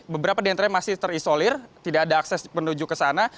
beberapa di antaranya masih terisolir tidak ada akses menuju ke sana